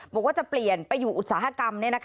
บอกว่าจะเปลี่ยนไปอยู่อุตสาหกรรม